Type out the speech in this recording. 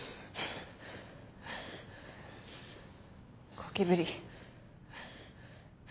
ゴキブリ。